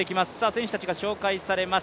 選手たちが紹介されます。